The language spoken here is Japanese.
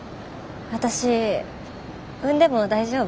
私産んでも大丈夫？